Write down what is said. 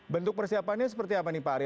bentuk persiapannya seperti apa nih pak ari